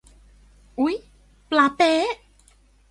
อุ๊ย ปลาเป๊ะ